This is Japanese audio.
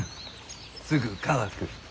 すぐ乾く。